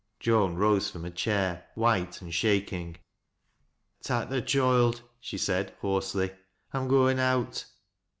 Joan rose from her chair, white and shaking. " Tak' th' choild," she said, hoarsely. " I'm goin' oat.'